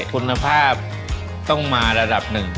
คุณภาพต้องมาระดับหนึ่ง